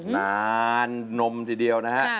นานนมทีเดียวนะฮะ